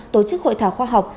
tổ chức hội thảo khoa học